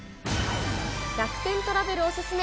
楽天トラベルおすすめ！